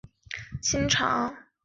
里氏袋鼬属等之数种哺乳动物。